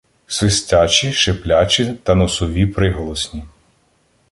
Свистячі, шиплячі та носові приголосні